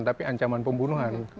tapi ancaman pembunuhan